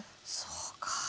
そうか。